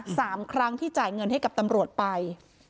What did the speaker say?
สามครั้งที่จ่ายเงินให้กับตำรวจไป